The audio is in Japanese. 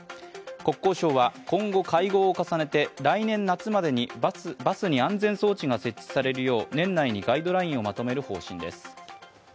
国交省は今後、会合を重ねて来年夏までにバスに安全装置が設置されるよう年内にガイドラインをまとめる方針です。